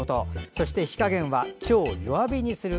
そして火加減は超弱火にする。